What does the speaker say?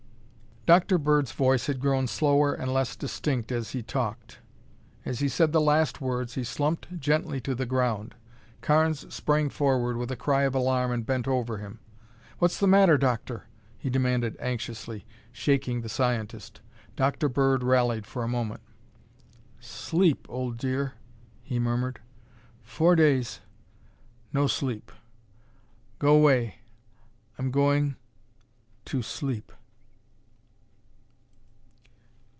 Dr. Bird's voice had grown slower and less distinct as he talked. As he said the last words, he slumped gently to the ground. Carnes sprang forward with a cry of alarm and bent over him. "What's the matter, Doctor?" he demanded anxiously, shaking the scientist. Dr. Bird rallied for a moment. "Sleep, old dear," he murmured. "Four days no sleep. Go 'way, I'm ... going ... to ... sleep...."